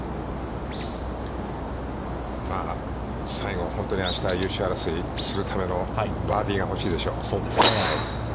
西郷、本当に、あした優勝争いするためのバーディーが欲しいでしょう。